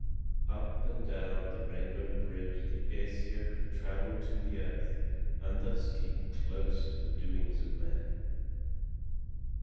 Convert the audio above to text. Up and down the rainbow bridge the Æsir could travel to the earth, and thus keep close to the doings of men.